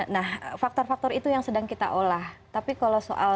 nah faktor faktor itu yang sedang kita olah tapi kalau soal